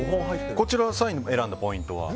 ３位に選んだポイントは？